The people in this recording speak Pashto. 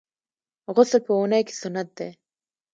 غسل په اونۍ کي سنت دی.